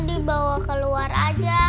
dibawa keluar aja